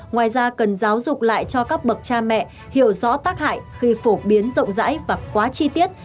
ngoài ra cần giáo dục lại cho các bậc cha mẹ hiểu rõ tác hại khi phổ biến rộng rãi và quá chi tiết